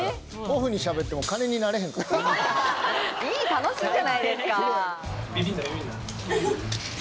楽しいじゃないですか。